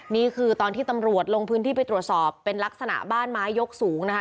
นี่คือตอนที่ตำรวจลงพื้นที่ไปตรวจสอบเป็นลักษณะบ้านไม้ยกสูงนะคะ